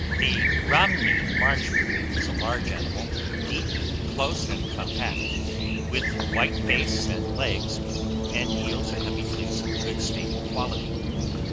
692. THE ROMNEY MARSH BREED is a large animal, deep, close, and compact, with white face and legs, and yields a heavy fleece of a good staple quality.